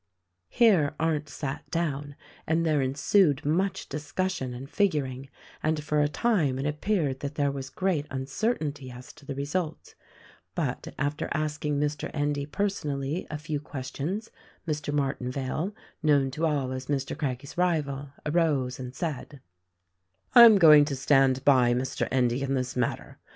Here Arndt sat down and there ensued much discussion and figuring ; and for a time it appeared that there was great uncertainty as to the result ; but, after asking Mr. Endy per sonally a few questions, Mr. Martinvale, known to all as Mr. Craggie's rival, arose and said : "I am going to stand by Mr. Endy in this matter.